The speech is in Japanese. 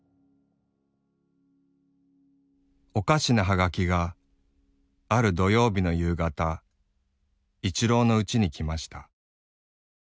「おかしなはがきがある土曜日の夕がた一郎のうちにきました。